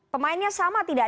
pemainnya sama tidak